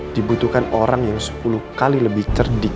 dibutuhkan orang yang sepuluh kali lebih cerdik